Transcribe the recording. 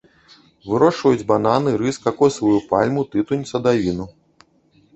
Вырошчваюць бананы, рыс, какосавую пальму, тытунь, садавіну.